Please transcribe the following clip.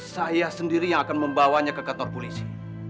saya sendiri yang akan membawanya ke kantor polisi